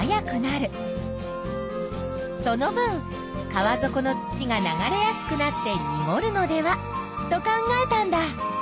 その分川底の土が流れやすくなってにごるのではと考えたんだ。